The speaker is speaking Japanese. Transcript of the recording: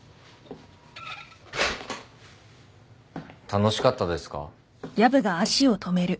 楽しかったですか？